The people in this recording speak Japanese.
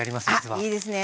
あっいいですね